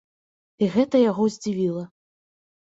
І гэта яго здзівіла.